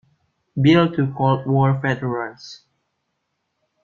Bill to Cold War veterans.